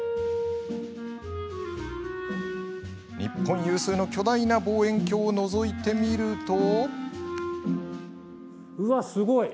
日本有数の巨大な望遠鏡をのぞいてみると。